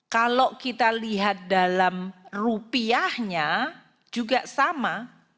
kalau kita lihat dalam rupiahnya juga sama